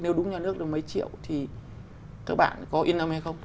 nếu đúng nhà nước là mấy triệu thì các bạn có in on it